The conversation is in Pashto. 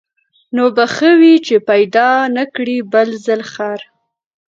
نو به ښه وي چي پیدا نه کړې بل ځل خر